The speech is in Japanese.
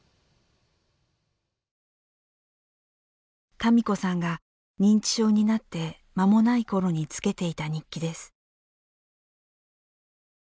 多美子さんが認知症になって間もないころにつけていた日記です。